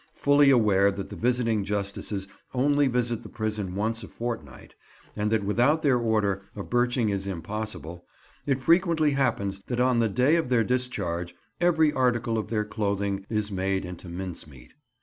Fully aware that the visiting Justices only visit the prison once a fortnight, and that without their order a birching is impossible, it frequently happens that on the day of their discharge every article of their clothing is made into mincemeat.